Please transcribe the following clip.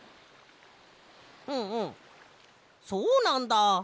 うんうんそうなんだ！